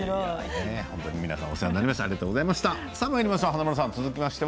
皆さん、お世話になりました。